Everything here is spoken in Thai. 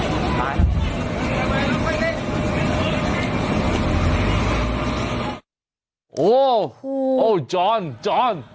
โอ้โอ้จอนจอน